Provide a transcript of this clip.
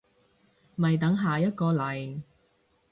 咪等下一個嚟